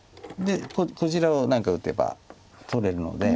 こちらを何か打てば取れるので。